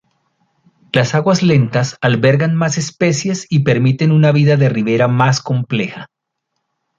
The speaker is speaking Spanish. Las aguas lentas albergan más especies y permiten una vida de ribera más compleja.